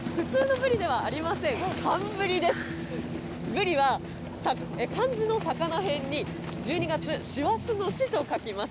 ブリは、漢字の魚へんに１２月、師走の師と書きます。